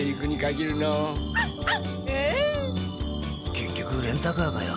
結局レンタカーかよ。